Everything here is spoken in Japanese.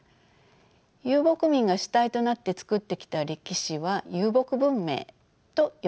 遊牧民が主体となって作ってきた歴史は「遊牧文明」と呼んでよいでしょう。